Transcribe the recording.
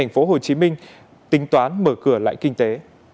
phố hồ chí minh tính toán mở cửa lại kinh tế